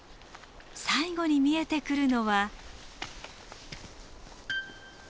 最後に見えてくるのは。